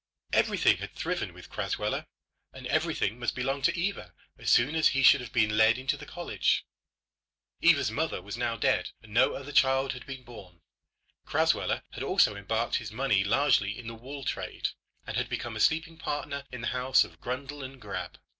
Everything had thriven with Crasweller, and everything must belong to Eva as soon as he should have been led into the college. Eva's mother was now dead, and no other child had been born. Crasweller had also embarked his money largely in the wool trade, and had become a sleeping partner in the house of Grundle & Grabbe.